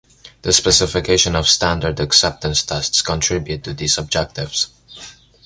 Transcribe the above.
The specification of standard acceptance tests contribute to these objectives.